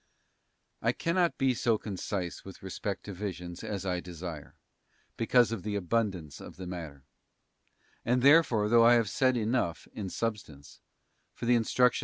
I cannot be so concise with respect to visions as I desire, because of the abundance of the matter. And therefore, though I have said enough, in substance, for the instruction * 1 Cor, iii. 1, 2. ee DANGERS OF CREDULITY.